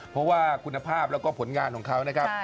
เพราะว่าคุณภาพแล้วก็ผลงานของเขานะครับ